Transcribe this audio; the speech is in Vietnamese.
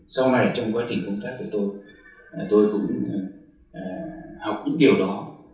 sau này trong quá trình công tác của tôi tôi cũng học những điều đó